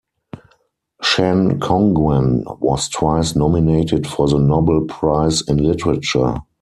Shen Congwen was twice nominated for the Nobel Prize in Literature.